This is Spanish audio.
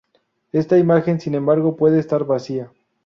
Esta imagen, sin embargo, puede estar vacía.